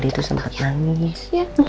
dia tuh sempat nangis